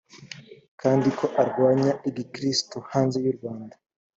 kandi ko arwanya igikirisitu hanze y urwanda